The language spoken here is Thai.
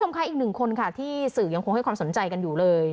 ค่ะอีกหนึ่งคนค่ะที่สื่อยังคงให้ความสนใจกันอยู่เลย